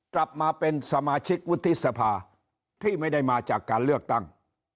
กลับมาเป็นสมาชิกวุฒิสภาที่ไม่ได้มาจากการเลือกตั้ง